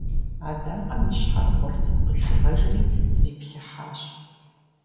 Адакъэм и щхьэр гъурцым къыхигъэжри зиплъыхьащ.